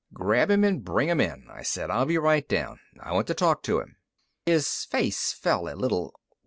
"Grab him and bring him in," I said. "I'll be right down. I want to talk to him." His face fell a little.